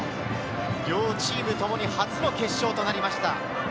両チームともに初の決勝となりました。